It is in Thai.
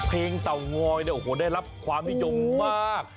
เพลงเต่าง้อยได้รับความยุ่มมาก